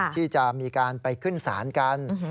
ที่จะมีการไปขึ้นศาลกัน